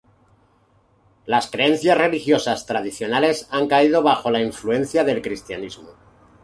Las creencias religiosas tradicionales han caído bajo la influencia del cristianismo.